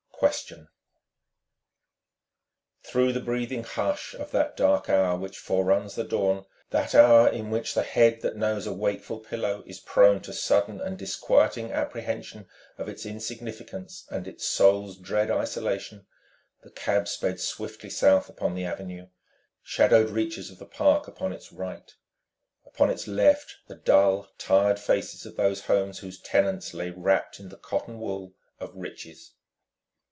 XXI QUESTION Through the breathing hush of that dark hour which foreruns the dawn, that hour in which the head that knows a wakeful pillow is prone to sudden and disquieting apprehension of its insignificance and it's soul's dread isolation, the cab sped swiftly south upon the Avenue, shadowed reaches of the park upon its right, upon its left the dull, tired faces of those homes whose tenants lay wrapped in the cotton wool of riches.